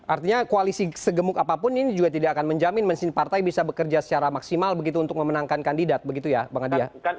artinya koalisi segemuk apapun ini juga tidak akan menjamin mesin partai bisa bekerja secara maksimal begitu untuk memenangkan kandidat begitu ya bang adi ya